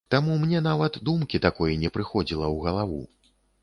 Таму мне нават думкі такой не прыходзіла ў галаву.